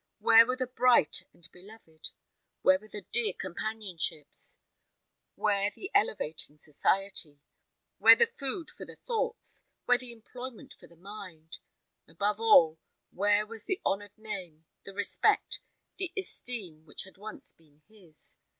Where were the bright and beloved? Where were the dear companionships? Where the elevating society? Where the food for the thoughts? Where the employment for the mind? Above all, where was the honoured name, the respect, the esteem which had once been his?